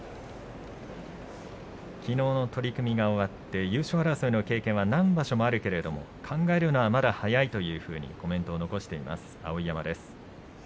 きのうの取組が終わって優勝争いの経験は何場所もあるけれども考えるのはまだ早いとコメントしていました。